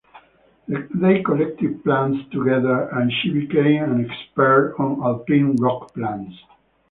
They collected plants together and she became an expert on alpine rock plants.